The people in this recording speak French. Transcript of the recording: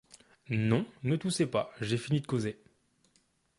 Non, ne toussez pas, j'ai fini de causer.